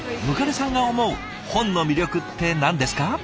百足さんが思う本の魅力って何ですか？